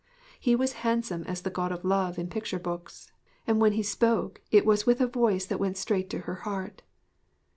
He was handsome as the God of Love in picture books, and when he spoke it was with a voice that went straight to her heart.